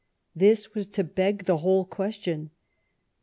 This was to beg the whole question.